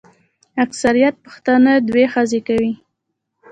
اکثریت پښتانه دوې ښځي کوي.